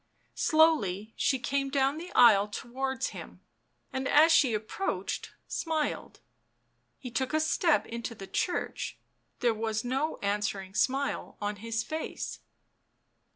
Slowly she came down the aisle towards him, and as she approached, smiled. He took a step into the church ; there was no answering smile on his face.